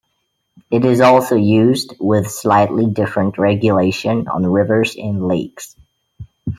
It is also used, with slightly different regulation, on rivers and lakes.